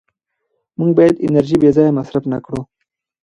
موږ باید انرژي بېځایه مصرف نه کړو